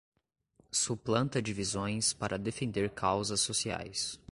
Suplanta divisões para defender causas sociais